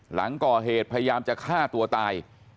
หลังก่อเหตุพยายามจะฆ่าตัวตาย